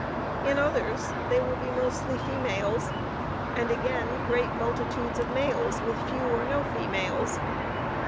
In others they will be mostly females, and again great multitudes of males with few or no females.